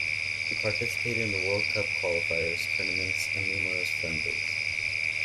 He participated in world cup qualifiers, tournaments, and numerous friendlies.